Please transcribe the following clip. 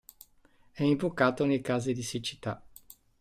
È invocato nei casi di siccità.